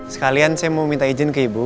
sekalian saya mau minta izin ke ibu